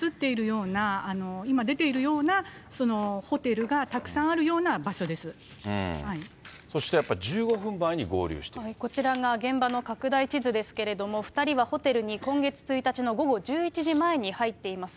こういう今、映っているような、今出ているようなホテルがたくさそしてやっぱり、１５分前にこちらが現場の拡大地図ですけれども、２人はホテルに今月１日の午後１１時前に入っています。